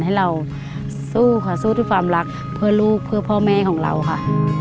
ให้เราสู้ค่ะสู้ด้วยความรักเพื่อลูกเพื่อพ่อแม่ของเราค่ะ